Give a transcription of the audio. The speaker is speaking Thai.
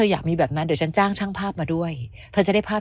อยากมีแบบนั้นเดี๋ยวฉันจ้างช่างภาพมาด้วยเธอจะได้ภาพ